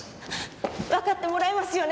わかってもらえますよね？